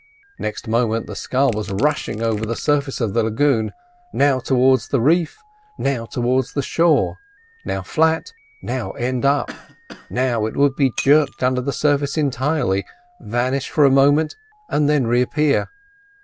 Next moment the scull was rushing over the surface of the lagoon, now towards the reef, now towards the shore, now flat, now end up. Now it would be jerked under the surface entirely; vanish for a moment, and then reappear.